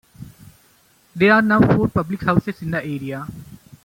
There are now four public houses in the area.